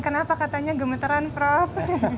kenapa katanya gemeteran prof